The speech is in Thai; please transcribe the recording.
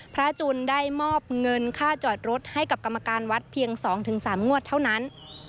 จุนได้มอบเงินค่าจอดรถให้กับกรรมการวัดเพียง๒๓งวดเท่านั้น